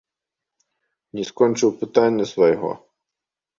Не скончыў пытання свайго.